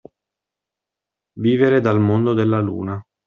Vivere dal mondo della luna.